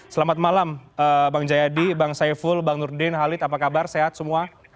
selamat malam bang jayadi bang saiful bang nurdin halid apa kabar sehat semua